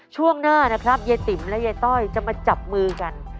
ช่วงหน้านะครับยายติ๋มและยายต้อยจะมาจับมือกัน